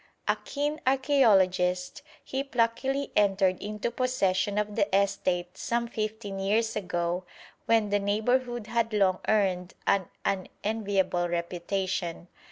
A keen archæologist, he pluckily entered into possession of the estate some fifteen years ago when the neighbourhood had long earned an unenviable reputation.